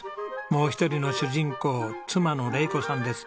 もう一人の主人公妻の玲子さんです。